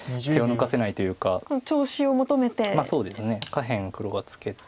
下辺黒がツケて。